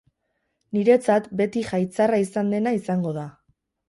Niretzat beti jaitzarra izan dena izango da.